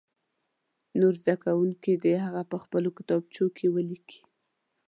نور زده کوونکي دې هغه په خپلو کتابچو کې ولیکي.